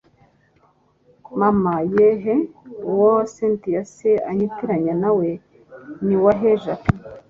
mama yeeeeh! uwo cyntia se unyitiranya nawe niwahe jack